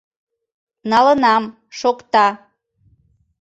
Налынам, шокта...